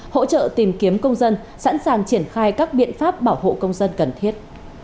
hỗ trợ tìm kiếm công dân sẵn sàng triển khai các biện pháp bảo hộ công dân cần thiết